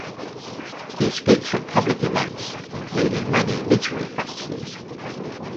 He speaks at public events including many literary festivals.